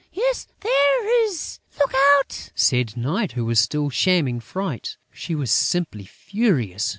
Yes, there is! Look out!" said Night, who was still shamming fright. She was simply furious.